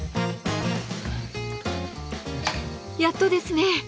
やっとですね。